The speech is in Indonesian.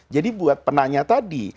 jadi buat penanyaan tadi